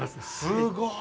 すごい。